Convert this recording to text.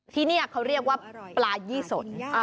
ที่นี่เขาเรียกว่าปลายี่สน